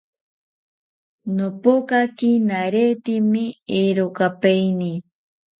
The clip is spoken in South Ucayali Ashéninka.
Nopokaki naretemi erokapaeni